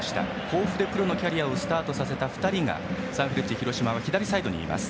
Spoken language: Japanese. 甲府でプロのキャリアをスタートさせた２人がサンフレッチェ広島は左サイドにいます。